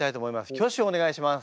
挙手をお願いします。